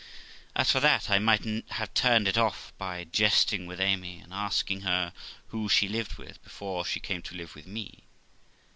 As for that, I might have turned it off by jesting with Amy, and asking her who she lived with before she came to live with me.